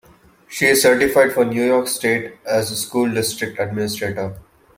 She is certified for New York State as a school district administrator.